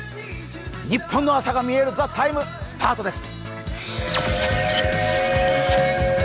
日本の朝が見える「ＴＨＥＴＩＭＥ，」スタートです。